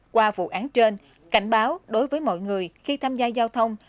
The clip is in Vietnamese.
qua vụ án trên cảnh báo đối với mọi người khi tham gia giao thông